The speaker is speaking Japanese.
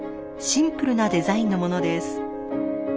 シンプルなデザインのものです。